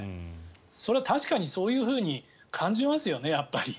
それは確かにそういうふうに感じますよね、やっぱり。